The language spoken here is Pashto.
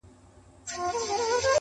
چي يوازي دي لايق د پاچاهانو-